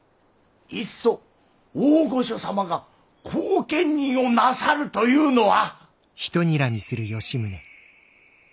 いっそ大御所様が後見人をなさるというのは！